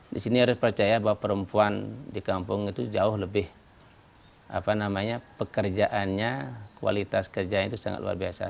di sini harus percaya bahwa perempuan di kampung itu jauh lebih pekerjaannya kualitas kerjanya itu sangat luar biasa